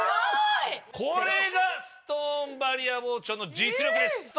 これがストーンバリア包丁の実力です。